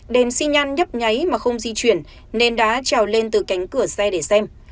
đèn xi nhan nhấp nháy mà không di chuyển nền đá trào lên từ cánh cửa xe để xem